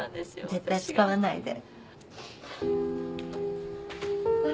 絶対使わないで。